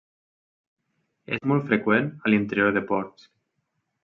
És molt freqüent a l'interior de ports.